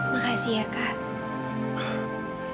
makasih ya kak